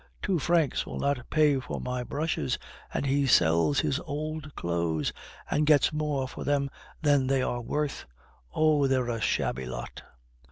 Two francs will not pay for my brushes, and he sells his old clothes, and gets more for them than they are worth. Oh! they're a shabby lot!"